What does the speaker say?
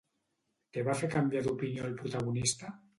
Què va fer canviar d'opinió al protagonista?